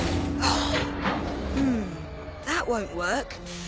ああ。